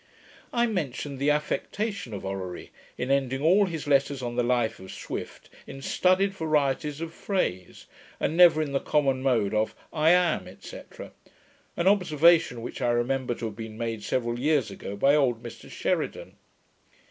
I mentioned the affectation of Orrery, in ending all his letters on the Life of Swift in studied varieties of phrase, and never in the common mode of 'I am', &c. an observation which I remember to have been made several years ago by old Mr Sheridan.